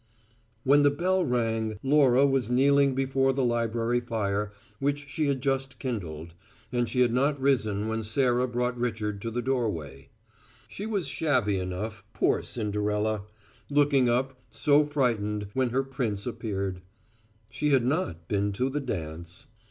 ... When the bell rang, Laura was kneeling before the library fire, which she had just kindled, and she had not risen when Sarah brought Richard to the doorway. She was shabby enough, poor Cinderella! looking up, so frightened, when her prince appeared. She had not been to the dance.